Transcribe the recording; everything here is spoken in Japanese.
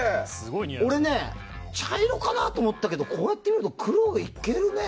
俺ね、茶色かなと思ったけどこうやって見ると黒いけるね。